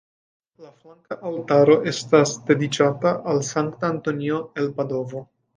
La flanka altaro estas dediĉata al Sankta Antonio el Padovo.